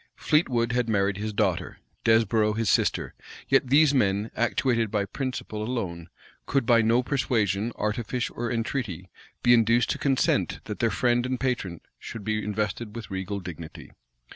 Fleetwood had married his daughter; Desborow his sister; yet these men, actuated by principle alone, could by no persuasion, artifice, or entreaty be induced to consent that their friend and patron should be invested with regal dignity.